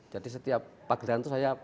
jadi setiap pagodan itu saya